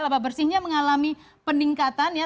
laba bersihnya mengalami peningkatan ya